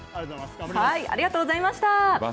ありがとうございます。